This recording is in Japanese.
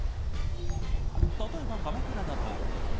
例えば、鎌倉だと。